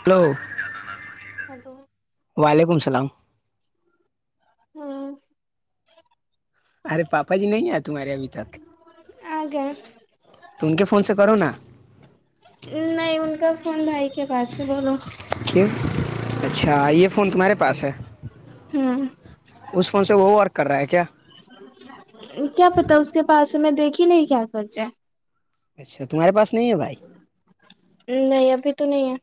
Hello hello وعلیکم السلام ہوں ارے پاپا جی نہیں ہے تمہارے ابھی تک آگ تو ان کے فون سے کرو نا نہیں ان کا فون بھائی کے پاس ہے بولو کیوں اچھا یہ فون تمہارے پاس ہے ہوں اس فون سے وہ ورک کر رہا ہے کیا کیا پتا اس کے پاس ہم دیکھی نہیں کیا خ جائے اچھا تمہارے پاس نہیں ہے بھائی نہیں ابھی تو نہیں ہے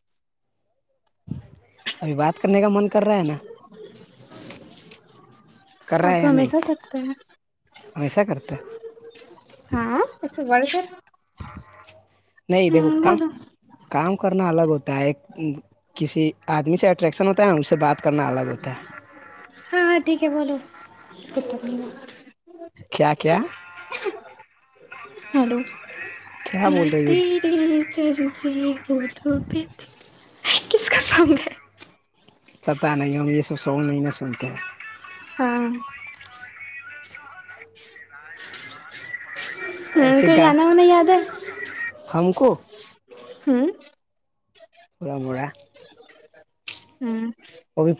ابھی بات کرنے کا من کر رہا ہے نا کر رہا آپ تو یا نہیں ہمیشہ سکتے ہیں ہمیسا کرتے ہاں اٹس ورڈ [inaudible] نہیں دیکھو ہوں کام بولو کام کرنا الگ ہوتا ایک کسی آدمی سے اٹریکشن ہوتا ہے ن اس سے بات کرنا الگ ہوتا ہے ہاں ہاں ٹھیک ہے بولو کتا کیا کیا ہیلو کیا بول رہی ہو تریے چرسی پ کس کا سنگ ہے پتا نہیں ہم یہ سب س نہیں سوتے ہیں ہاں ہوں کوئی گانا گا یاد ہے ہم کو ہاں پورا مڑا ہاں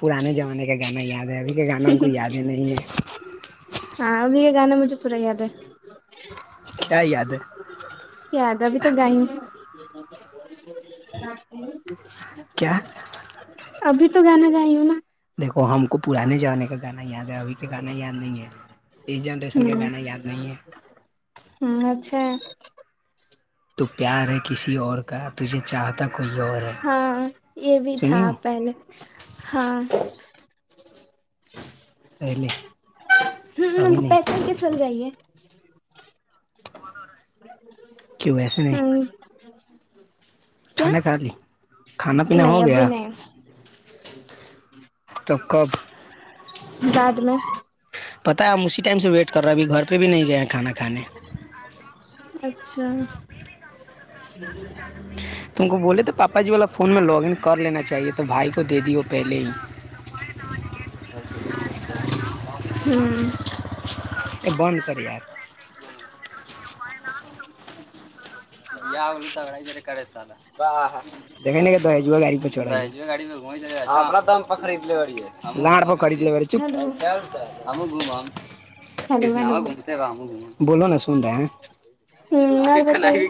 پرانے زمانے کا گانا یاد ہے ابھی کے گانا ہم کو یادیں نہیں ہے ہاں اب یہ گانا مجھے پورا یاد ہے کیا یاد ہے یاد اب تو گئی کیا ابھی تو گانا گائی ہوں نا ہم کو پرانے زمانے کا گانا یاد ہے ابھی کا گانا یاد نہیں ہے اس جنریشن کا نا گانا یاد نہیں ہے ہ اچھا تو پیار ہے کسی اور کا تجھے چاہتا [unintelligible] اور ہے ہاں یہ بھی تھا سنی ہو پہلے ہاں پہلے ابھی نہیں جی کیوں ایسے ہوں نہیں کھانا کھا لی کھانا پینا ہو نہیں ابھی گیا نہیں توکب بعد میں پتا ہم اسی ٹائم سے ویٹ کر رہے اب گھر پہ بھی نہیں گئے کھانا کھانے اچھا جی تم کو بولے تو پاپا جی والا فون میں لوگن کر لینا چاہیے تو بھائی کو دے د ہو پہلے ہی ہوں بند کر آپ س د گاڑی پ چا گڑ کڑ چ ہیلو ہم گوم ہم ہیلو کسناوا ہیلو گھومتے ہم گوم بولو نا سن رہے ہیں ہ ج اور کن بتائیے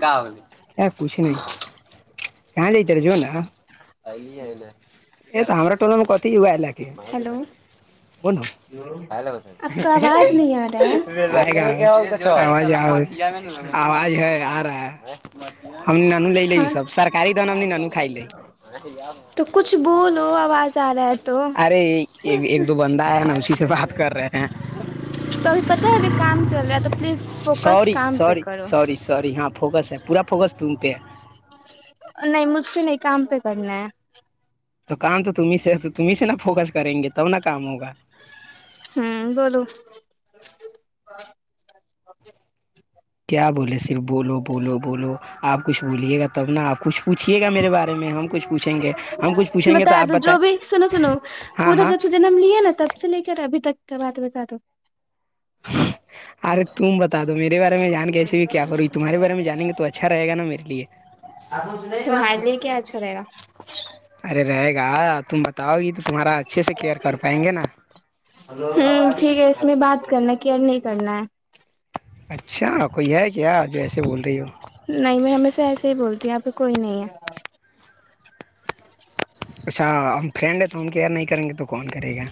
گاؤلی کیا کچھ نہیں کہاں ل ٹ ہیلو بنو ل بتا گ آپ کا آ آواز نہیں آ رہا جیا ہے م س آواز ہے آ رہا ہے ہم نے نانو لے لے ا ہاں سب سرکاری دون ہم نے نانو کھائی لے تو کچھ بولو آواز آ رہا ہے تو ارے ایک دو بندہ ہےی سے بات کر رہے ہیں تو ابھی پتاہ ہے ابھی کام چل رہا ہے تو پلیز فوکس سوری کام پہ سوری کرو سوری سوری ہاں فوکس ہے پورا فوکس تم پہ نہیں مجھ سے نہیں کام پہ کرنا ہے تو کام تو تمیں سے تمیں سے نہا فوکس کریں گے تب نہ کام ہوگا ہوں بولو کیا بولے صرف بولو بولو بولو آپ کچھ بولیے گا تب نا آپ کچھ پوچھیے گا میرے بارے میں ہم کچھ پوچھیں گے ہم کچھ پوچھیں گے بتایا آپ تو جو بتائیں بھی سنو سنو ہاں پور ہاں جب سے جنم لیا نا تب سے لے کر ابھی تک کیا بات بتا دو ارے تم بتا دو میرے بارے میں جان کےسے بھی کیا کروںی تمہارے بارے میں جانیں گے تو اچھا رہے گا نا میرے لیے تمہار لیے کیا اچھا رہے گا تا نا ہوں ٹھیک ہے اس میں بات کرنا کہ یار نہیں کرنا ہے اچھا کوئی ہے کیا آج ویسے بول رہی ہو ہے نہیں میں ہمیشہ ایسے ہی بولتی یہاں پہ کوئی نہیں ہے اچھا ہم فرینڈ ہے تو ہم کیئر نہیں کریں گے تو کون کرے گا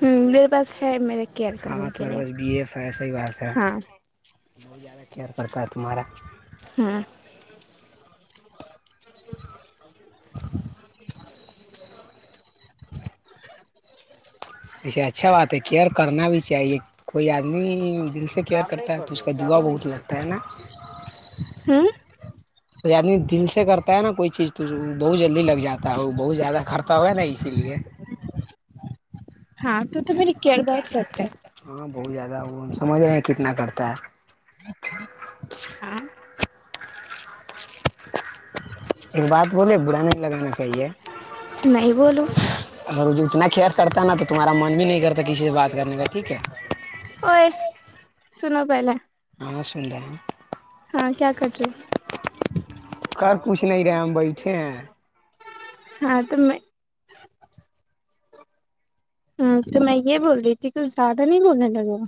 ہ میرے پاس ہے میرا کیئر کرنے ہاں کے تمہارے لیے پاس بی ایف ہے صحیح بات ہے ہاں بہت زیادہ کیئر کرتا ہے تمہارا ہاں ۔ وسے اچھا بات ہے کیئر کرنا بھی چاہیے کوئی آدمی دل سے کیئر کرتا ہے تو اس کا دا بہت لگتا ہے نا ہ کو آدمی دل سے کرتا ہے نا کوئی چیز تو بہت جلدی لگ جاتا ہے ہو بہت زیادہ کررتا ہو ہے نا اسی لیے ہاں تو تو میری کیئر بہت کرتا ہے ہاں بہت زیادہ وہ ہم سمجھ رہے ہیں کتنا کرتے تر ہاں ایک بات بولے برا نہیں لگانا صحیح ہے نہیں بولو اگر وہ جو اتنا کئر کرتا نا تو تمہارا من بھی نہیں کرتا کسی سے بات کرنے کا ٹھیک ہے سنا پلا ن سن رہ ہیں ہاں کیا کرج کر کچھ نہیں رہے ہم بیٹھے ہیں ہاں تو میں ہ تو میں یہ بول رہی تھی کچھ زیادہ نہیں بولنے لگے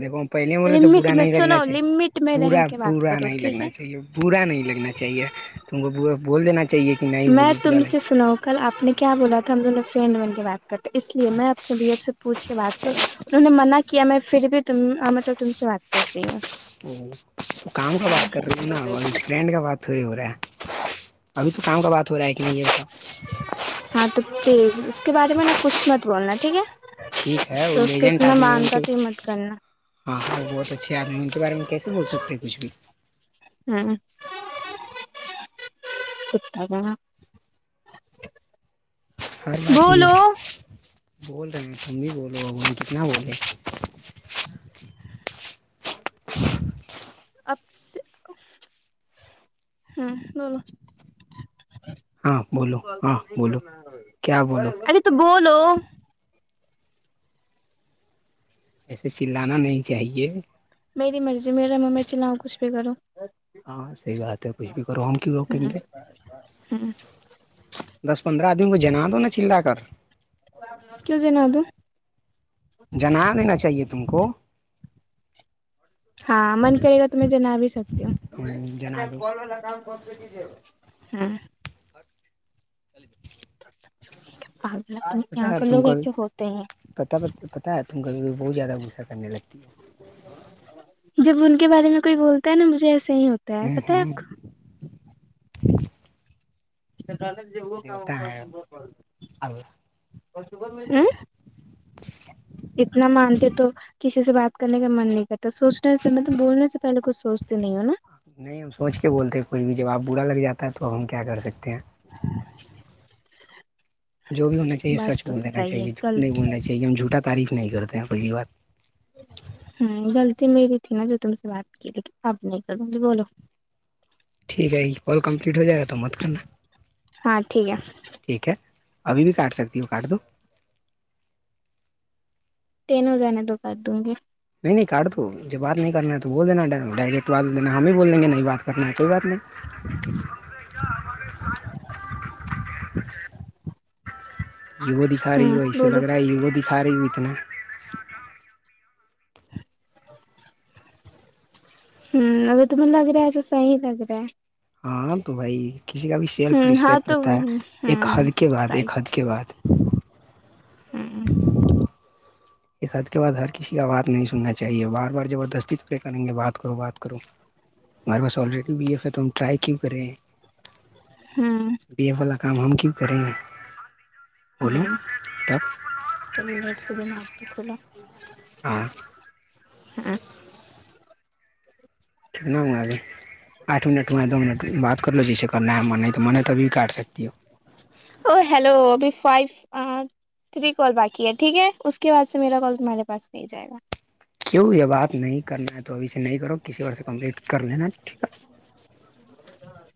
دیکھو پہلے بولے تو لمٹ برا میں نہیں لگنا سنو چاہیے لمٹ میں رہ با کے بات برا کرو نہیں ٹھیک لگنا ہے چاہیے برا نہیں لگنا چاہیے تم کوا بول دینا چاہیے کہ نہیں میں بولو با تم لگ سے سناؤ کل ہم دونوں فرینڈ بن کے بات ک اس لیے میں اپنے بی اب سے پوچھ کے بات کر انہوں نے منع کیا کیا میں پھر بھی تم مطلب تم سے بات کر رہی ہوں تو کام کا بات کر رہی نا اننٹ کا بات تھوڑی ہو رہا ہے ابھی تو کام کا بات ہو رہا ہے کہ نہیں یہ سب ہاں تو پی اس کے بارے میں نا کچھ مت بولنا ٹھیک ہے ٹھیک ہے وہ تو اس کو لیجنٹ اتنا آدمی ہے ان مانتا کے تو ہی مت کرنا ہاں ہاں وہ بہت اچھے آدمی کے بارے میں کیسے بول سکتے ہیں کچھ بھی ہوں ستا میں ہ باق نہیں بول رہے ہیں تم بھی بولو بگوان کتنا بولے ہوں بولو ہاں بولو ہاں نہیں کر بولو کیا بولو ارے تو بولو ایسے چلانا نہیں چاہیے مری مرضی میرا میںم میں چلاؤ کچھ بھی کروں ہاں صحیح بات ہے کچھ بھی کرو ہم کیوں روکیں گے دس پندرہ آدمی کو جنا دو نا چلا کر کیوں جنا دوں جنا دینا چاہیے تم کو ہاں من کرے گا تو میں جنا بھی سکتی ہوں ا ج جنا دو ہ چلید آ [inaudible] پتا ہے تم کو بھی پتا پتا ہے تم کو بھی بہت زیادہ غصہ کرنے لگتی ہو جب ان کے بارے میں کوئی بولتا ہے ن مجھے ایسے [unintelligible] نہیں ہوتا ہے ہ ہ کتق [unintelligible] اچ [unintelligible] چالک جا کا وہ دیوتا ہے کاا اللہ [unintelligible] [unintelligible] چتا [unintelligible] اتنا مانتے تو کسی سے بات کرنے کا من نہیں کرتا سوچنے سے مطلب بولنے سے پہلے کچھ سوچتے نہیں ہو نا [unintelligible] نہیں ہم سوچ کے بولتے کوئی بھی جب آپ برا لگ جاتا ہے تو اب ہم کیا کر سکتے ہیں ہاں [unintelligible] جو بھی ہونا چاہیے سچ بول دین ہے چاہیے جھو نہیں غلط بولنا چاہیے ہم جھوٹ اا تعریف نہیں کرتے ہیں پہلی بات [unintelligible] ہ غلطی میری تھی نا جو تم سے بات کی لیکن اب نہیں کر مجے بولو [unintelligible] ٹھیک ہے یہ کال کمپلیٹ ہو جائے گا تو مت کرنا ہاں ٹھیک ہے ٹھیک ہے [unintelligible] ابھی بھی کاٹ سکتی ہو کاٹ دو [unintelligible] تین ہزان دو کر دوں گے [unintelligible] نہیں نہیں کاٹ تو جب بات نہیں کرنا ہے تو بول دینا ڈائریکٹ بات دینا ہم ہی بول لیں گے نہیں بات کرنا ہے کوئی بات نہیں [unintelligible] چ [inaudible] یہ دکھا رہی ہوں ہو ایسے بولو لگ رہا ہے یہ وہ [unintelligible] ساریی ہوئیتے [unintelligible] ہوں اگر تمیں لگ رہا ہے تو صحی لگ رہا ہے [unintelligible] ہاں تو بھائی [unintelligible] کسی کا بھی سیلف ہوں ہاں رسپیکٹ تو ہوتا ہے وہی ایک ہوں حد کے بعد ایک حد رائٹ کے بعد [unintelligible] ہوں ایک حھ کے بعد ہر کسی کا آواز نہیں سننا چاہیے بار بار زبردستی پڑے کریں گے بات کرو بات کرو ہمارے پاس آلریڈی بی ایف ہے ت ٹرائی کیوں کریں ہوں [unintelligible] بی ف ل [unintelligible] کام ہم کیوں کریں گے [unintelligible] ہوں چلو لیٹ سدی میں آ [unintelligible] اھلا [inaudible] ہاں [unintelligible] ہ [unintelligible] کتنا ہواں ج آٹ منٹ ہاں دو منٹ بات کر لو جیسے کرنا ہے من نہیں تو من ہے تبھی کاٹ سکتی ہو [unintelligible] او ہیلو ابھی فائیو تھری کال باقی ہے ٹھیک ہے اس کے بعد سے میرا کال تمہارے پاس نہیں جائے گا کیوں یہ بات نہیں کرنا ہے تو ابھی سے نہیں کرو کسی وور سے کمپلیٹ کر لینا ٹھیک ہے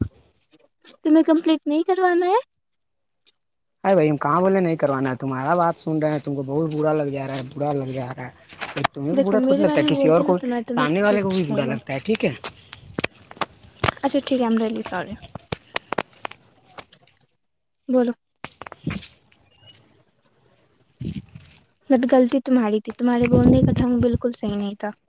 [unintelligible] تم کمپلیٹ نہیں کروانا ہے ار بھائی ہم کام والولے نہیں کروا تمہارا بات سن رہے ہیں تم کو بہت برا لگ گیاا ہے برا لگ گیاا ہے تمہیں کو دیکھو برا تھوڑی میرے لگتا ہے بارے میں کسی اور بولتی نا کو تو میں تمہیں سامنے والے کو کچھ بھی نہیں برا لگتا بولتی ہے ٹھیک ہے اچھا ٹھیک ہے ہم ڈ سوری [unintelligible] بولو [unintelligible] بٹغطی تمہاری تھی تمہارے بولنے کا ڈھنگ بالکل صحیح نہیں تھا [unintelligible]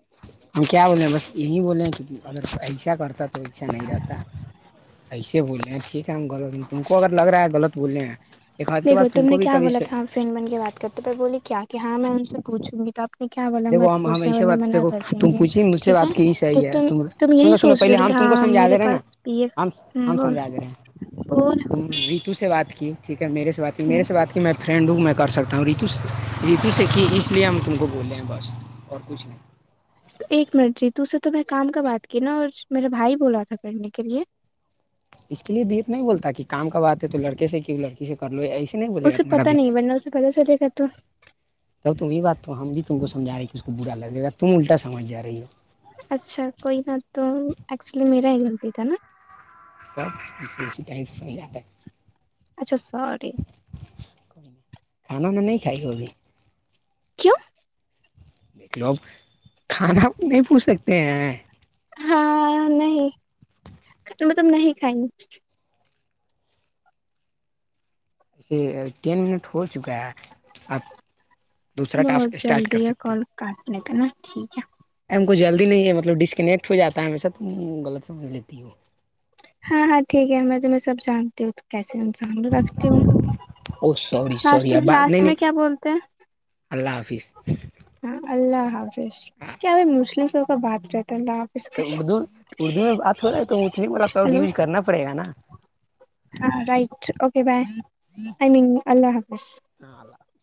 ہم کیا بولے ہیں بس یہی بولیں [unintelligible] اگر ایسا کرتا تو اشا نہیں رہتا [unintelligible] ایسے بولے ہیں ٹھیک ہے ہم غلط نہیں تم کو اگر لگ رہا ہے غلط بولے ہیں ایک ہاتھ کے دیکھو بعد تم کو نے بھی کیا کبھی بولا تھاپ فرینڈ بن کے بات کر تو پھر بولی کیا کہ ہاں میں ان سے پوچھوں گی تو آ کیا ب دیکھو مت ہم ہم پوچھناور ایسے بات منع دیکھو کر دیں تم گے پوچھی مجھ سے ٹھیک ہے بات کی تو صحیح ت ہے تم یہی سنو سنو سوچ رہ پہلے ہو ہم کہ تم کو ہاں سمجھا میرے دے رہے ہیں نا پاس پ ہم ہم سمجھا دے رہے ہیں اور تم ریتو سے بات کی ٹھیک میرے سےات کی ہوں میرے سے بات کی میں فرینڈ ہوں میں کر سکتا ہوں ریتو رتو سے کہ اس لیے ہم تم کو بول رہ ہیں بس اور کچھ نہیں تو ایک منٹ جی ت سے تو میں کام کا بات کی نا اور میرے بھائی بولا تھا کرنے کے لے اس کے لیے بیت نہیں بولتا کہ کام کا بات ہے تو لڑکے سے کی لڑکی سے کر لو ای نہیں بولے گا اسے تمہارا پتہ بھی نہیں ورنہ اسے پتہ چلے گا تو جب تمی بات تو ہم بھی تم کو سمھا رہے کہ اس کو برا لگے گا تم الٹا ساماج رہ ہی اچھا دیتا نا سب اس کہیں سے سن جاتا ہے اچھا سوری کھانا میں نہیں کائے کوبھی کیوں دیک لو اب کھانا نہیں پوچھ سکتے ہیں ہاں نہیں مطلب نہیں کھائ گی ایے ٹین منٹ ہو چکا ہے آپ دوسرا بہت ٹاسک اسٹارٹ کر جلدی ہے سکتے ہیں۔ کال کرنے کر ن ٹھیک ہے ہم کو جلدی نہیں ہے مطلب ڈسکنیکٹ ہو جاتا ہے ہشہ غلط سمجھ لیتی وہ ہاں ہاں ٹھیک ہے میں تمہ میں سب جانتی ہوں کیس رکھتی ہوں او سوری لاسٹ سوری اب بات نہیں لاسٹ نہیں میں کیا بولتے ہیں اللہ حافظ ہاں اللہ ہاں کیا ہم مسلم سب بات رہ تو اردو اردو میں بات ہو رہا ہے تو ا با شبد ہیلو یوز کرنا پڑے گا نا ہاں رائٹ اوکے بائے آئی ہاں مین اللہ حافظ اللہ حافظ